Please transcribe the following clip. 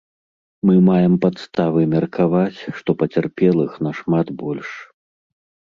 Мы маем падставы меркаваць, што пацярпелых нашмат больш.